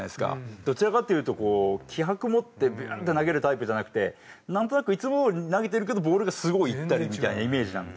どちらかというとこう気迫持ってビューンって投げるタイプじゃなくてなんとなくいつもどおり投げてるけどボールがすごいみたいなイメージなので。